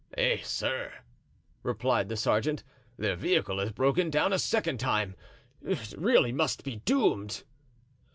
"Eh, sir!" replied the sergeant, "their vehicle has broken down a second time; it really must be doomed."